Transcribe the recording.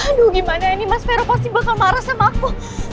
aduh gimana ini mas vero pasti bakal marah sama aku